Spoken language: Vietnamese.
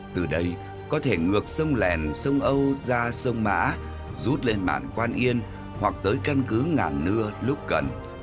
từ đây có thể ngược sông lèn sông âu ra sông mã rút lên mạng quan yên hoặc tới căn cứ ngàn nưa lúc cần